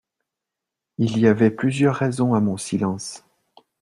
Il y avait plusieurs raisons a mon silence.